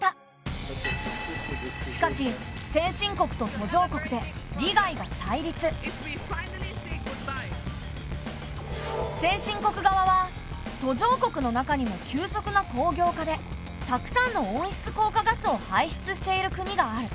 しかし先進国側は「途上国の中にも急速な工業化でたくさんの温室効果ガスを排出している国がある。